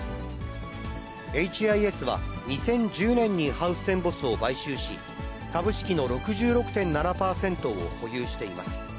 エイチ・アイ・エスは、２０１０年にハウステンボスを買収し、株式の６６．７％を保有しています。